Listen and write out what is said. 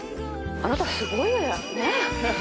あなたすごいわよ！